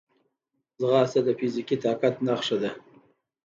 ځغاسته د فزیکي طاقت نښه ده